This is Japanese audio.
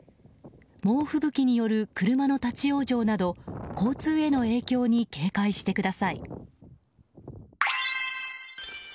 猛吹雪による車の立ち往生など交通への影響に警戒してください。